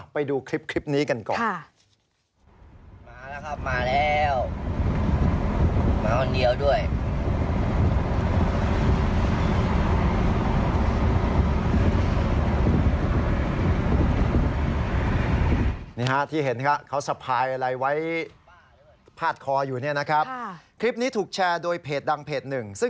ไปดูคลิปนี้กันก่อน